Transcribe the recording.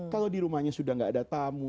kalau di rumahnya sudah tidak ada tamu